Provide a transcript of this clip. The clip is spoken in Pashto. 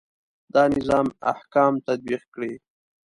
دا نظام احکام تطبیق کړي.